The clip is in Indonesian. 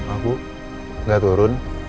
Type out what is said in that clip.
aku gak turun